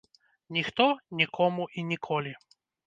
Ніхто, нікому і ніколі.